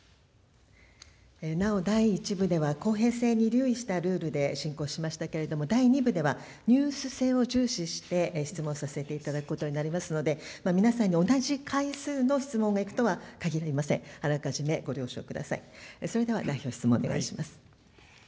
なお、第１部では、公平性に留意したルールで進行しましたけれども、第２部では、ニュース性を重視して質問させていただくことになりますので、皆さんに同じ回数の質問がいくとはかぎりません。